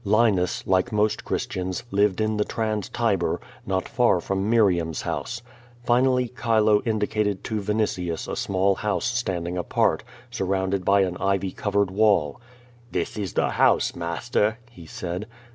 Linus, like most Christians, lived in the Trans Tiber, not far from ifiriam's house. Finally Chile indicated to Yinitius a small hoiisc standing apart, surround ed by an ivy covered wall. "This is the house, master," he said.